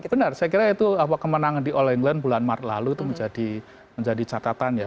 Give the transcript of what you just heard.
benar saya kira itu kemenangan di all england bulan maret lalu itu menjadi catatan ya